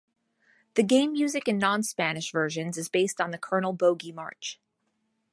The game music in non-Spanish versions is based on the Colonel Bogey March.